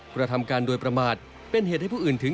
กระทำการโดยประมาทเป็นเหตุให้ผู้อื่นถึง